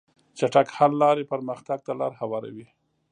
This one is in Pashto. چټک حل لارې پرمختګ ته لار هواروي.